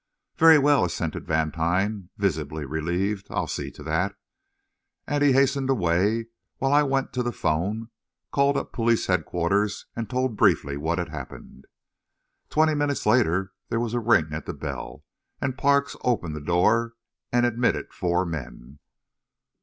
"Very well," assented Vantine, visibly relieved, "I'll see to that," and he hastened away, while I went to the 'phone, called up police headquarters, and told briefly what had happened. Twenty minutes later, there was a ring at the bell, and Parks opened the door and admitted four men.